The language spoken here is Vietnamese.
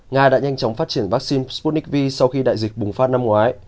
nga đã nhanh chóng phát triển vaccine sputnik v sau khi đại dịch bùng phát năm ngoái